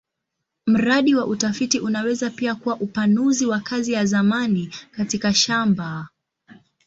Mradi wa utafiti unaweza pia kuwa upanuzi wa kazi ya zamani katika shamba.